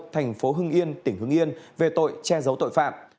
thành phố hưng yên tỉnh hưng yên về tội che giấu tội phạm